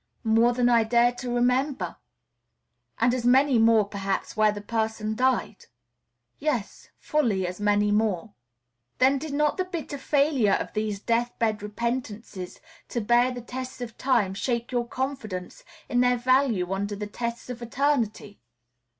"More than I dare to remember." "And as many more, perhaps, where the person died." "Yes, fully as many more." "Then did not the bitter failure of these death bed repentances to bear the tests of time shake your confidence in their value under the tests of eternity?"